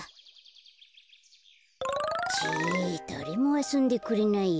だれもあそんでくれないや。